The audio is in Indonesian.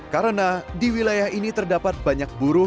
karena di wilayah ini terdapat banyak buruh